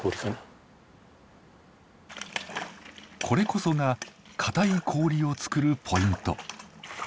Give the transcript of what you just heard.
これこそが硬い氷を作るポイント。